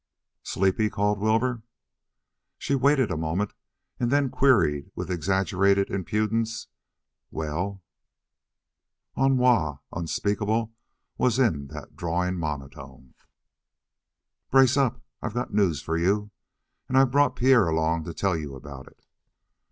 "Sleepy?" called Wilbur. She waited a moment and then queried with exaggerated impudence: "Well?" Ennui unspeakable was in that drawling monotone. "Brace up; I've got news for you. And I've brought Pierre along to tell you about it."